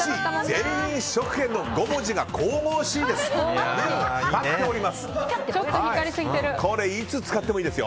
全員試食券の５文字が神々しいです。